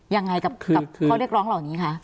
ยังไงกับข้อเรียกร้องเหล่านี้คะ